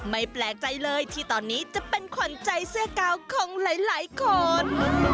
แปลกใจเลยที่ตอนนี้จะเป็นขวัญใจเสื้อกาวของหลายคน